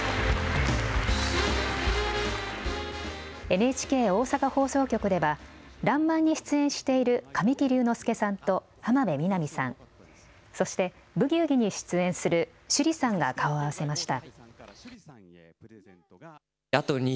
ＮＨＫ大阪放送局ではらんまんに出演している神木隆之介さんと浜辺美波さん、そしてブギウギに出演する趣里さんが顔を合わせました。